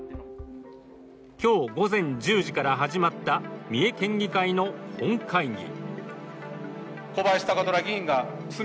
今日、午前１０時から始まった三重県議会の本会議。